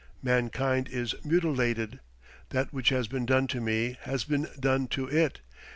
Mankind is mutilated. That which has been done to me has been done to it.